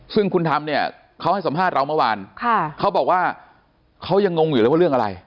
ซึ่งคุณธรรมเนี่ยเขาให้สัมภาษณ์เราเมื่อวานเขาบอกว่าเขายังงงอยู่เลยว่าเรื่องอะไร